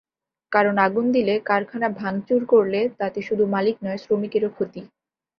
কারণ আগুন দিলে, কারখানা ভাঙচুর করলে, তাতে শুধু মালিক নয়, শ্রমিকেরও ক্ষতি।